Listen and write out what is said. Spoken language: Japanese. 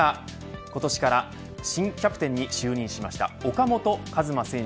今年から新キャプテンに就任しました岡本和真選手